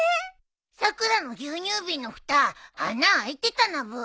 さくらの牛乳瓶のふた穴開いてたなブー。